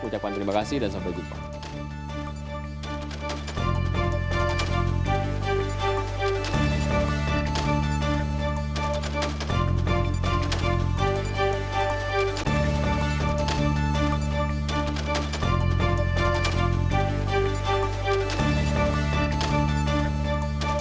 ucapkan terima kasih dan sampai jumpa